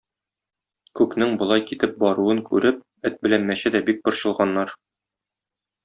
Күкнең болай китеп баруын күреп, эт белән мәче дә бик борчылганнар.